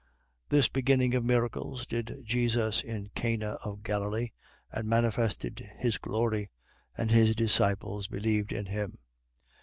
2:11. This beginning of miracles did Jesus in Cana of Galilee and manifested his glory. And his disciples believed in him.